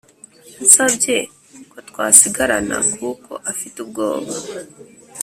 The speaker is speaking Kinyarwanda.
yansabye ko twasigarana kuko afite ubwoba